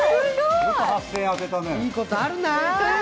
いいことあるなぁ。